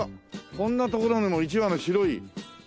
こんな所にも一羽の白い。